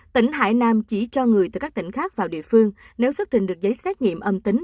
tỉnh hải nam chỉ cho người từ các tỉnh khác vào địa phương nếu xuất trình được giấy xét nghiệm âm tính